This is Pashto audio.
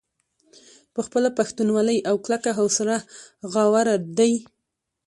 پۀ خپله پښتونولۍ او کلکه حوصله غاوره دے ۔